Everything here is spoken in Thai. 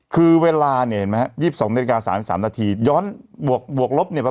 คือเวลาเนี้ยเห็นไหมฮะยี่สิบสองนาฬิกาสามสามนาทีย้อนบวกบวกลบเนี้ย